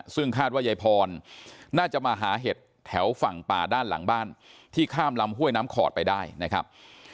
ซึ่งคาดว่ายายพรน่าจะมาหาเห็ดแถวฝั่งป่าด้านหลังบ้านที่ข้ามลำห้วยน้ำขอดไปได้นะครับ